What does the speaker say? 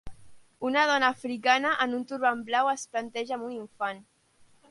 Una dona africana en un turbant blau es planteja amb un infant